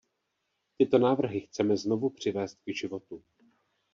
Tyto návrhy chceme znovu přivést k životu.